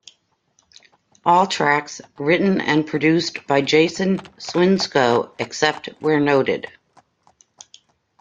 All tracks written and produced by Jason Swinscoe, except where noted.